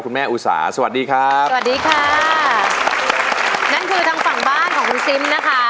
คุณแม่อุสาสวัสดีครับสวัสดีค่ะนั่นคือทางฝั่งบ้านของคุณซิมนะคะ